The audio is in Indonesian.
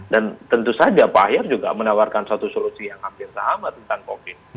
dan tentu saja pak ahyad juga menawarkan satu solusi yang hampir sama tentang covid